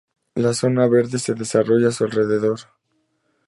La Zona Verde se desarrolló a su alrededor.